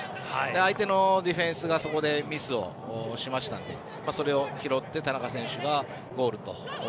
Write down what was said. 相手のディフェンスがそこでミスをしましたのでそれを拾って田中選手がゴールと。